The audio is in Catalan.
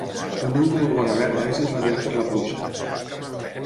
El niu d'una iguana verda és irradiat per la pluja.